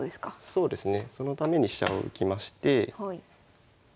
そうですね。